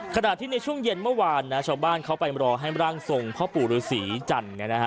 ขนาดที่ในช่วงเย็นเมื่อวานนะชาวบ้านเขาไปรอให้ร่างทรงพระปู่รุศรีจันทร์เนี่ยนะฮะ